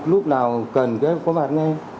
lúc nào cần có bạt nghe